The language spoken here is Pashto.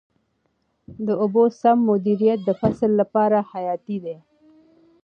د اوبو سم مدیریت د فصل لپاره حیاتي دی.